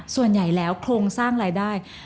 ส่วนใหญ่แล้วโครงสร้างรายได้